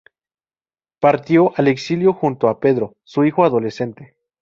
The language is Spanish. Partió al exilio junto a Pedro, su hijo adolescente.